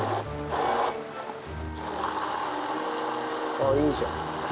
あっいいじゃん。